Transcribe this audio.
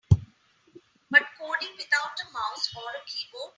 But coding without a mouse or a keyboard?